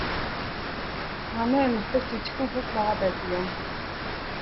Манай энэ нутагт жижигхэн хөх могой байдаг юм.